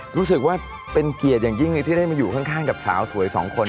รู้สึกว่าเป็นเกียรติอย่างยิ่งเลยที่ได้มาอยู่ข้างกับสาวสวยสองคน